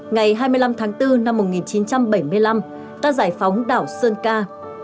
ngày hai mươi năm tháng bốn năm một nghìn chín trăm bảy mươi năm ta giải phóng đảo sơn ca